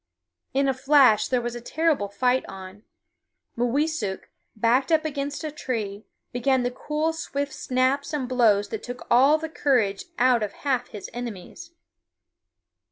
In a flash there was a terrible fight on. Mooweesuk, backed up against a tree, began the cool swift snaps and blows that took all the courage out of half his enemies.